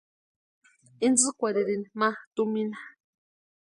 Intsïkwarhirini ma tumina.